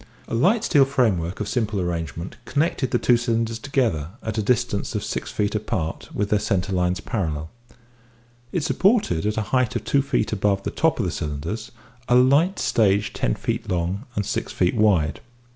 A light steel framework of simple arrangement connected the two cylinders together, at a distance of six feet apart, with their centre lines parallel, and supported, at a height of two feet above the top of the cylinders, a light stage ten feet long and six feet wide.